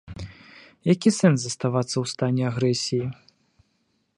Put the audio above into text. Які сэнс заставацца ў стане агрэсіі?